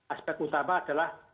aspek utama adalah